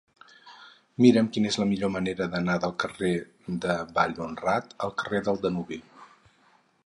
Mira'm quina és la millor manera d'anar del carrer de Vallhonrat al carrer del Danubi.